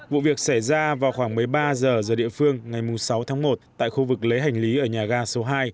vụ việc xảy ra vào khoảng một mươi ba h giờ địa phương ngày sáu tháng một tại khu vực lấy hành lý ở nhà ga số hai